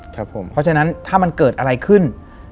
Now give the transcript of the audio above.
เพราะฉะนั้นถ้ามันเกิดอะไรขึ้น